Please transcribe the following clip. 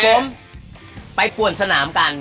ผมไปป่วนสนามกัน